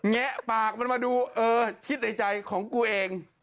แงะปากมันมาดูเออคิดในใจของกูเอง